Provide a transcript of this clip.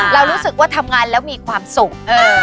เรารู้สึกว่าทำงานแล้วมีความสุข